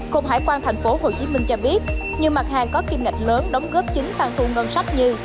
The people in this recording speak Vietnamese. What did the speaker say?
cục hải quan tp hcm cho biết nhiều mặt hàng có kim ngạch lớn đóng góp chính tăng thu ngân sách như